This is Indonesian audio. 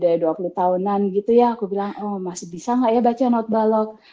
dari dua puluh tahunan gitu ya aku bilang oh masih bisa nggak ya baca not balok